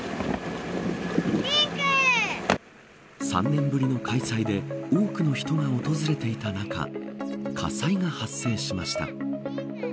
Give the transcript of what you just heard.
３年ぶりの開催で多くの人が訪れていた中火災が発生しました。